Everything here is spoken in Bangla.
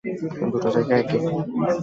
দুটো জায়গা একই।